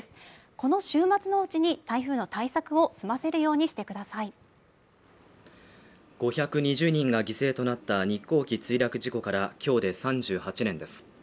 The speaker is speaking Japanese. この週末のうちに台風の対策を済ませるようにしてください５２０人が犠牲となった日航機墜落事故からきょうで３８年です